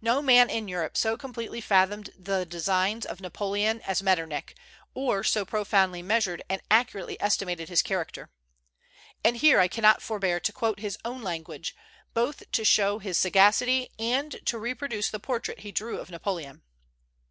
No man in Europe so completely fathomed the designs of Napoleon as Metternich, or so profoundly measured and accurately estimated his character. And I here cannot forbear to quote his own language, both to show his sagacity and to reproduce the portrait he drew of Napoleon.